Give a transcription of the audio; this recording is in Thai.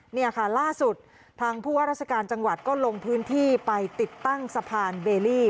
นี่ค่ะล่าสุดทางผู้ว่าราชการจังหวัดก็ลงพื้นที่ไปติดตั้งสะพานเบลลี่